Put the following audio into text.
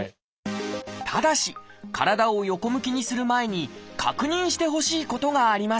ただし体を横向きにする前に確認してほしいことがあります